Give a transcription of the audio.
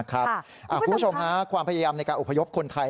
คุณผู้ชมความพยายามในการอพยพคนไทย